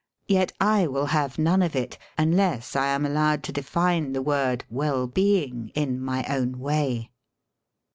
Yet I will have none of it, unless I am allowed to d^ne the word "well being" in my own way.